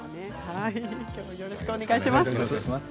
きょうよろしくお願いします。